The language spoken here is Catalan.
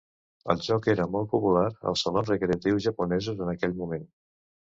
El joc era molt popular als salons recreatius japonesos en aquell moment.